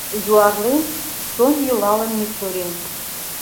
Юарлен, чон йӱлалын Мичурин